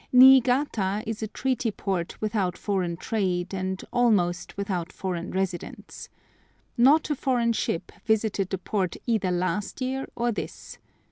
Niigata is a Treaty Port without foreign trade, and almost without foreign residents. Not a foreign ship visited the port either last year or this.